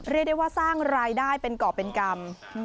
เรียกได้ว่าสร้างรายได้เป็นก่อเป็นกรรม